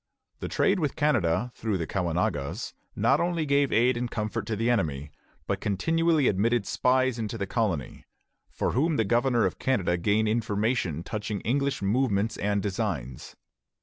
The trade with Canada through the Caughnawagas not only gave aid and comfort to the enemy, but continually admitted spies into the colony, from whom the governor of Canada gained information touching English movements and designs.